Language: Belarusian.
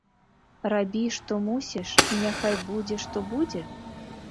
Рабі, што мусіш, і няхай будзе, што будзе?